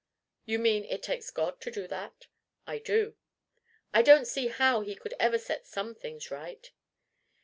"You mean it takes God to do that?" "I do." "I don't see how he ever could set some things right."